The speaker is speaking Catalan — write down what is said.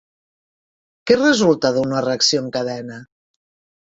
Què resulta d'una reacció en cadena?